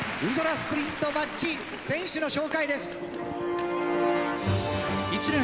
スプリントマッチ選手の紹介です。